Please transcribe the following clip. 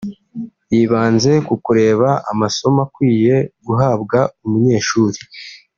yibanze ku kureba amasomo akwiye guhabwa umunyeshuri